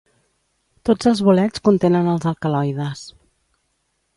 Tots els bolets contenen els alcaloides.